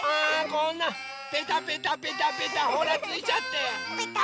こんなペタペタペタペタほらついちゃって。